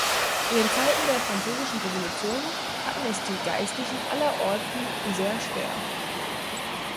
In den Zeiten der Französischen Revolution hatten es die Geistlichen aller Orten sehr schwer.